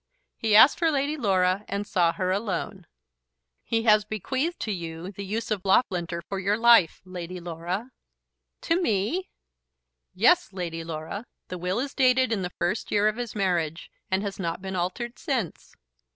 He asked for Lady Laura, and saw her alone. "He has bequeathed to you the use of Loughlinter for your life, Lady Laura." "To me!" "Yes, Lady Laura. The will is dated in the first year of his marriage, and has not been altered since."